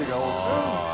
うん。